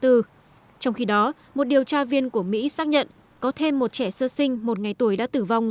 trong khi đó một điều tra viên của mỹ xác nhận có thêm một trẻ sơ sinh một ngày tuổi đã tử vong